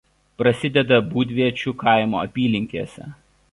Prasideda Būdviečių kaimo apylinkėse.